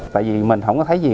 tại vì mình không có thấy gì